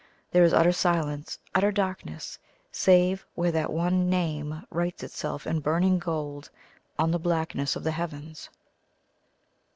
There is utter silence, utter darkness, save where that one NAME writes itself in burning gold on the blackness of the heavens.